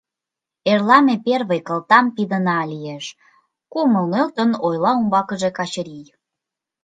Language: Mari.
— Эрла ме первый кылтам пидына лиеш, — кумыл нӧлтын ойла умбакыже Качырий.